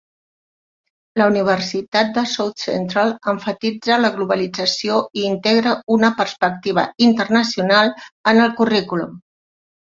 La Universitat de South Central emfatitza la globalització i integra una perspectiva internacional en el currículum.